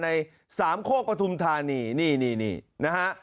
ในสามโคมประทุมธารินี่นี่นะฮะ